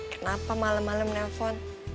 kenapa malam malam telepon